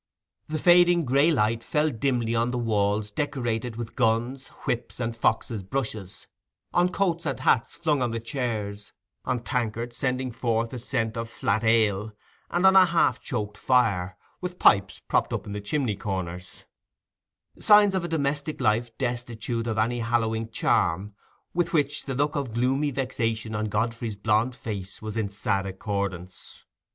The fading grey light fell dimly on the walls decorated with guns, whips, and foxes' brushes, on coats and hats flung on the chairs, on tankards sending forth a scent of flat ale, and on a half choked fire, with pipes propped up in the chimney corners: signs of a domestic life destitute of any hallowing charm, with which the look of gloomy vexation on Godfrey's blond face was in sad accordance.